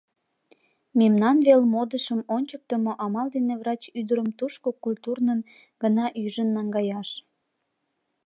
Мемнан вел модышым ончыктымо амал дене врач ӱдырым тушко культурнын гына ӱжын наҥгаяш.